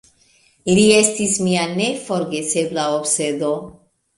Li estis mia neforgesebla obsedo.